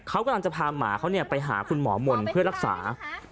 เขากำลังจะพาหมาเขาไปหาคุณหมอมนต์เพื่อรักษา